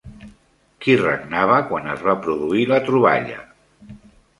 Qui regnava quan es va produir la troballa?